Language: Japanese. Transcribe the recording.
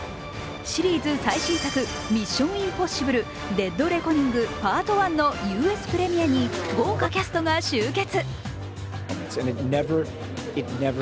シリーズ最新作「ミッション：インポッシブル／デッドレコニングＰＡＲＴＯＮＥ」のＵＳプレミアに豪華キャストが集結。